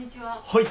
はい。